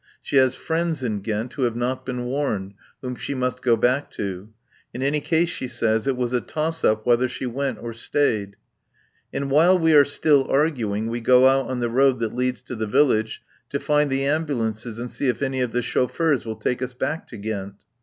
She has friends in Ghent who have not been warned, whom she must go back to. In any case, she says, it was a toss up whether she went or stayed. And while we are still arguing, we go out on the road that leads to the village, to find the ambulances and see if any of the chauffeurs will take us back to Ghent.